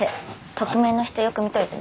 匿名の人よく見といてね。